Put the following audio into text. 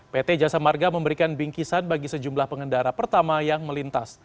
pt jasa marga memberikan bingkisan bagi sejumlah pengendara pertama yang melintas